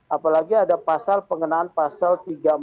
apalagi ada pasal pengenaan pasal tiga ratus empat puluh